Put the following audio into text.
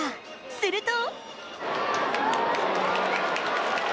すると。